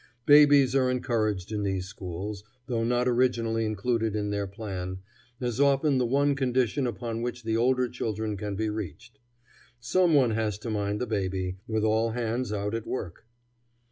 Babies are encouraged in these schools, though not originally included in their plan, as often the one condition upon which the older children can be reached. Some one has to mind the baby, with all hands out at work.